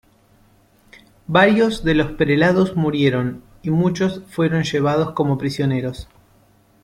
Varios de los prelados murieron, y muchos fueron llevados como prisioneros.